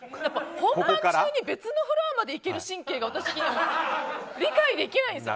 本番中に別のフロアまで行ける神経が私には理解できないです。